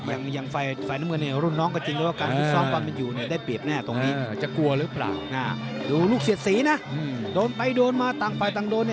ไม่อย่างฝ่ายฝ่ายน้ำเงินรุ่นน้องก็จริงแล้วก็การฟิชซ้อมตามว่ามันอยู่ได้เปรียบแน่ตรงนี้